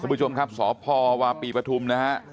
ผู้ชมครับสพวาปีปฐุมนะฮะ